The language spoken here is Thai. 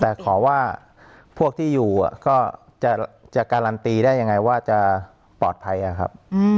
แต่ขอว่าพวกที่อยู่ก็จะการันตีได้ยังไงว่าจะปลอดภัยครับ